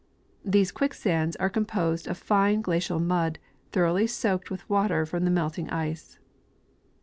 These quicksands are com posed of fine glacial mud, thoroughly soaked with water from the melting ice.